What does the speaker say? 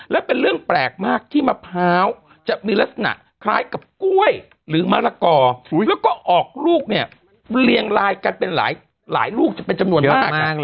และเป็นเรื่องแปลกมากที่มะพร้าวจะมีลักษณะคล้ายกับกล้วยหรือมะละกอแล้วก็ออกลูกเนี่ยเรียงลายกันเป็นหลายลูกจะเป็นจำนวนมาก